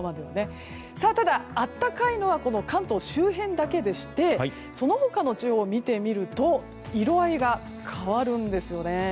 ただ、暖かいのはこの関東周辺だけでしてその他の地方を見てみると色合いが変わるんですよね。